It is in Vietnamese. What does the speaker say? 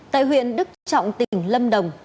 tại huyện đức trọng tỉnh lâm đồng